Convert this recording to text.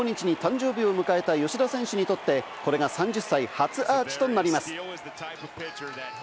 今月１５日に誕生日を迎えた吉田選手にとって、これが３０歳初アーチとなります。